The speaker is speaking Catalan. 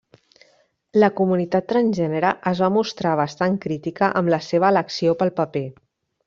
La comunitat transgènere es va mostrar bastant crítica amb la seva elecció pel paper.